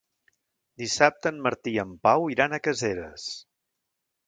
Dissabte en Martí i en Pau iran a Caseres.